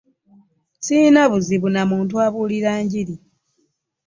Ssirina buzibu na muntu abuulira njiri.